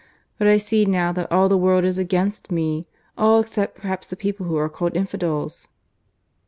But I see now that all the world is against me all except perhaps the people who are called infidels."